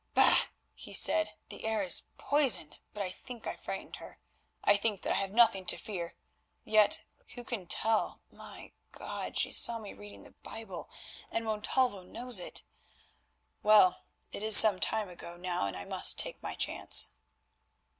"Bah!" he said, "the air is poisoned. But I think I frightened her, I think that I have nothing to fear. Yet who can tell? My God! she saw me reading the Bible, and Montalvo knows it! Well, it is some time ago now, and I must take my chance."